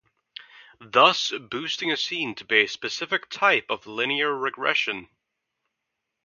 Thus, boosting is seen to be a specific type of linear regression.